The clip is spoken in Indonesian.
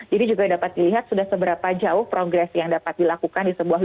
jadi juga dapat dilihat sudah seberapa jauh progres yang dapat dilakukan